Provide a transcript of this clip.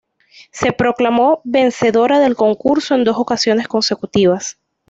Se proclamó vencedora del concurso en dos ocasiones consecutivas.